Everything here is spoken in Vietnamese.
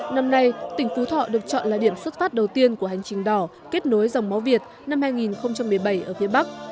năm nay tỉnh phú thọ được chọn là điểm xuất phát đầu tiên của hành trình đỏ kết nối dòng máu việt năm hai nghìn một mươi bảy ở phía bắc